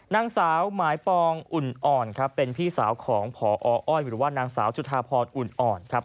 นางสาวหมายปองอุ่นอ่อนครับเป็นพี่สาวของพออ้อยหรือว่านางสาวจุธาพรอุ่นอ่อนครับ